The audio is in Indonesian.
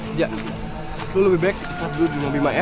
nggak lo lebih baik seret dulu di rumah bima ya